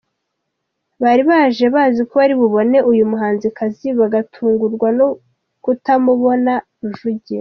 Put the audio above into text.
bari baje baziko bari bubone uyu muhanzikazi bagatungurwa no kutamubona, Rujugiro.